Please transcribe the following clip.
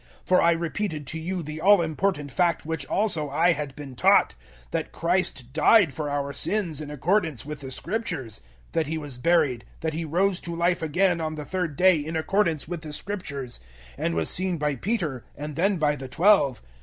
015:003 For I repeated to you the all important fact which also I had been taught, that Christ died for our sins in accordance with the Scriptures; 015:004 that He was buried; that He rose to life again on the third day in accordance with the Scriptures, 015:005 and was seen by Peter, and then by the Twelve.